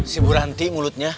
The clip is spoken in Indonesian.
si buranti mulutnya